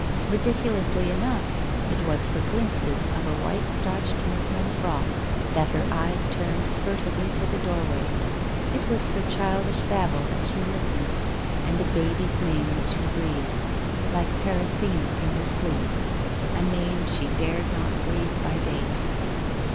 Ridiculously enough, it was for glimpses of a white starched muslin frock that her eyes turned furtively to the doorway; it was for childish babble that she listened, and a baby's name that she breathed, like Parisina in her sleep, ' a name she dared not breathe by day.'